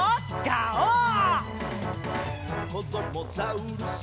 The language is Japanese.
「こどもザウルス